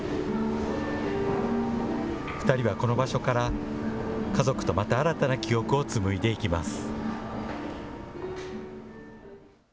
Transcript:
２人はこの場所から、家族とまた新たな記憶を紡いでいきます。